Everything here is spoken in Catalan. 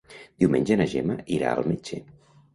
Diumenge na Gemma irà al metge.